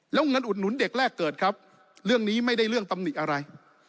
แล้วเงินอุดหนุนเด็กแรกเกิดครับเรื่องนี้ไม่ได้เรื่องตำหนิอะไร